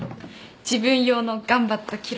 自分用の頑張った記録。